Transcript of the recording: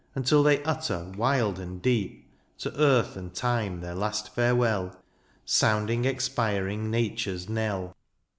Until they utter wild and deep. To earth and time their last farewell. Sounding expiring nature^s knell.